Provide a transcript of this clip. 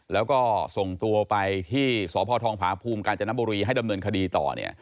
แล้วก็ส่งตัวไปที่สภภาพูมการจำนับบรีให้ดำเนินคดีต่อ